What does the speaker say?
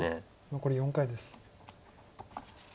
残り４回です。